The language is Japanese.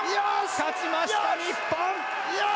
勝ちました、日本！